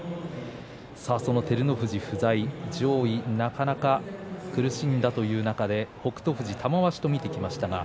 照ノ富士不在、上位なかなか苦しんだという中で北勝富士、玉鷲と見てきました。